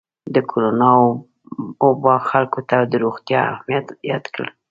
د کرونا وبا خلکو ته د روغتیا اهمیت یاد کړ.